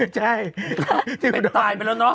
ใช่เป็นตายไปแล้วเนาะ